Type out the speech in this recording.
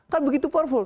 kan begitu powerful